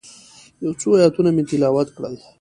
یو څو آیتونه مې تلاوت کړل.